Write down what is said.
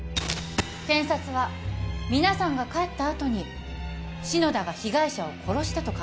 検察は皆さんが帰った後に篠田が被害者を殺したと考えていました。